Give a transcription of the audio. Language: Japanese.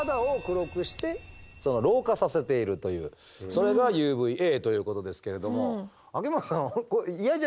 それがＵＶーＡということですけれども秋元さんは嫌じゃないですか。